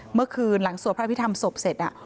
เมื่อคืนหลังสวดพระอภิษฐรรมศพเสร็จ